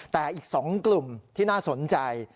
แต่อีก๒กลุ่มที่น่าสนใจ